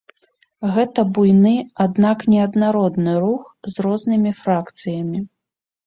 Гэта буйны, аднак неаднародны рух з рознымі фракцыямі.